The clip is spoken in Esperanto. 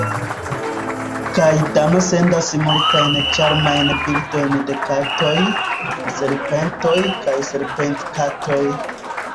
Kaj Dano sendas multajn ĉarmajn bildojn de katoj, serpentoj kaj serpentkatoj.